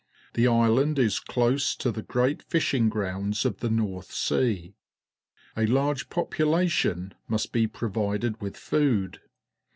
The island is close to the great fishing grounds of the North Sea. A large population must be proA'ided with food.